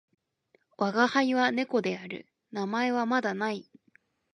わがはいは猫である。名前はまだ無い。